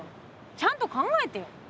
ちゃんと考えてよ。